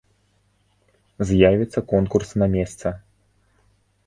З'явіцца конкурс на месца.